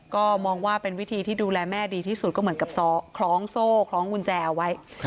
ก็มองว่าเป็นวิธีที่ดูแลแม่ดีที่สุดก็เหมือนกับคล้องโซ่คล้องกุญแจเอาไว้